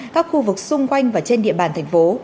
các khu vực xung quanh và trên địa bàn thành phố